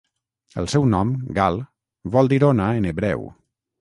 El seu nom, Gal, vol dir "ona" en hebreu.